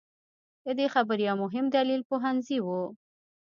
د دې خبرې یو مهم دلیل پوهنځي وو.